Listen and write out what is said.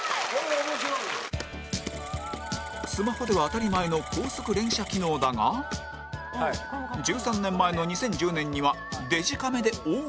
スマホでは当たり前の高速連写機能だが１３年前の２０１０年にはデジカメで大ハシャギ